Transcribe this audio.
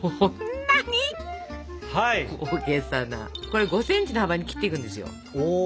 これ５ｃｍの幅に切っていくんですよ。